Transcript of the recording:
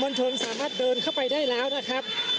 ลชนสามารถเดินเข้าไปได้แล้วนะครับ